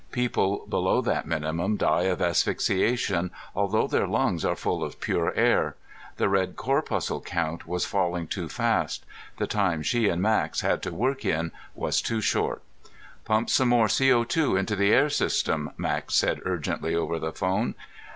People below that minimum die of asphyxiation although their lungs are full of pure air. The red corpuscle count was falling too fast. The time she and Max had to work in was too short. "Pump some more CO_ into the air system," Max said urgently over the phone.